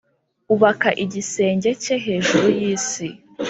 ubaka igisenge cye hejuru y’isi.